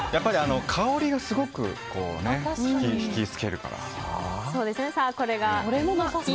香りがすごく引き付けるから。